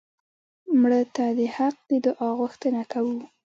مړه ته د حق د دعا غوښتنه کوو